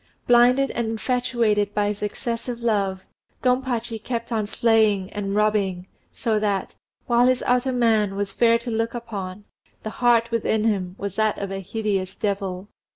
Blinded and infatuated by his excessive love, Gompachi kept on slaying and robbing, so that, while his outer man was fair to look upon, the heart within him was that of a hideous devil.